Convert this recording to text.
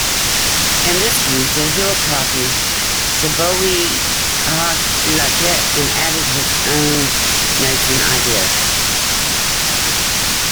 In this view, Jehiel copied "Shibbolei ha-Leket" and added his own notes and ideas.